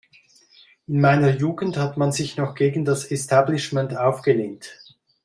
In meiner Jugend hat man sich noch gegen das Establishment aufgelehnt.